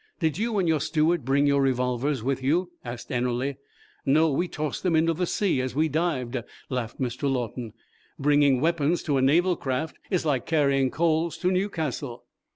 "Did you and your steward bring your revolvers with you?" asked Ennerling. "No; we tossed them into the sea as we dived," laughed Mr. Lawton. "Bringing weapons to a Naval craft is like carrying coals to Newcastle."